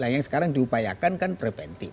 nah yang sekarang diupayakan kan preventif